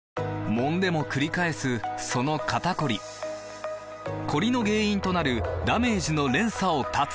もんでもくり返すその肩こりコリの原因となるダメージの連鎖を断つ！